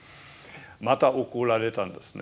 また怒られたんですね。